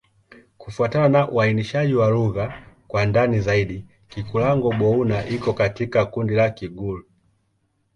Kufuatana na uainishaji wa lugha kwa ndani zaidi, Kikulango-Bouna iko katika kundi la Kigur.